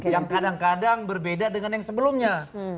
yang kadang kadang berbeda dengan yang sebelumnya